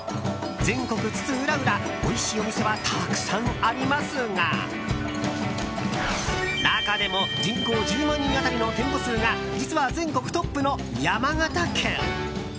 全国津々浦々、おいしいお店はたくさんありますが中でも、人口１０万人当たりの店舗数が実は全国トップの山形県。